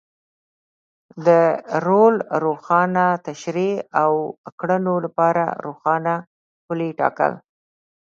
د رول روښانه تشرېح او کړنو لپاره روښانه پولې ټاکل.